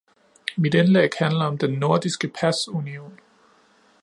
Mit indlæg handler om den nordiske pasunion.